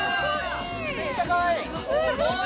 めっちゃかわいい！